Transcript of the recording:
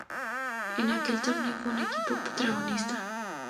En aquel torneo, fue un equipo protagonista.